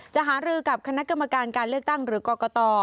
หารือกับคณะกรรมการการเลือกตั้งหรือกรกต